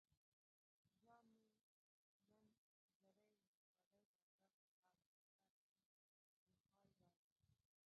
جان مې نن ژرۍ ولسوالۍ بازار ته لاړم او تاته مې ګوښال راوړل.